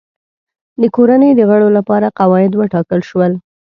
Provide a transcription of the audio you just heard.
د کورنۍ د غړو لپاره قواعد وټاکل شول.